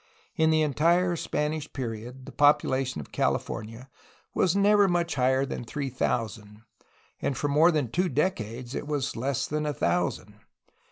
In the entire Spanish period the population of California was never much higher than three thousand, and for more than two decades it was less than a thousand.